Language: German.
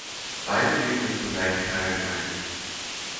Beide nehmen es zu gleichen Teilen ein.